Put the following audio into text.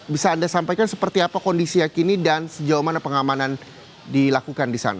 bisa anda sampaikan seperti apa kondisinya kini dan sejauh mana pengamanan dilakukan di sana